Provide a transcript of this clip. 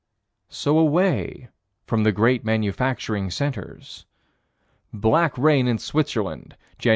So away from the great manufacturing centers: Black rain in Switzerland, Jan.